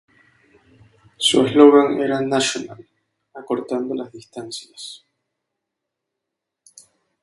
Su eslogan era "National, acortando las distancias".